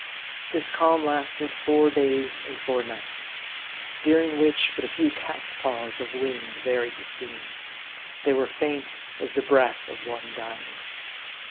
This calm lasted four days and four nights ; during which, but a few cat's paws of wind varied the scene. They were faint as the breath of one dying.